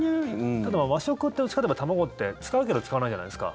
ただ、和食ってどっちかといえば卵って使うけど使わないじゃないですか。